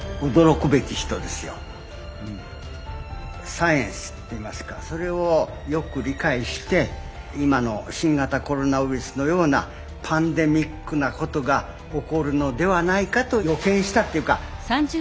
サイエンスっていいますかそれをよく理解して今の新型コロナウイルスのようなパンデミックなことが起こるのではないかと予見したというか。